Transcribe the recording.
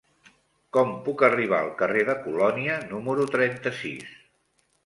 Com puc arribar al carrer de Colònia número trenta-sis?